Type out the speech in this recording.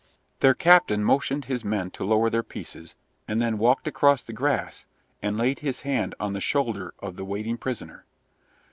Their captain motioned his men to lower their pieces, and then walked across the grass and laid his hand on the shoulder of the waiting prisoner.